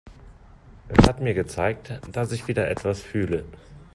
Es hat mir gezeigt, dass ich wieder etwas fühle.